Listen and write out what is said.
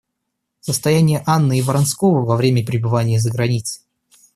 Состояние Анны и Вронского во время пребывания за границей.